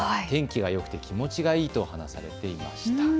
天気がよくて気持ちがいいと話されていました。